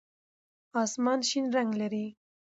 آسمان شین رنګ لري.